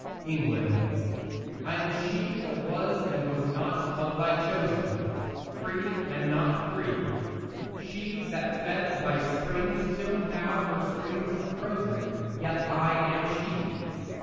ENGLAND I am she that was and was not of thy chosen, Free, and not free; She that fed thy springs, till now her springs are frozen; Yet I am she.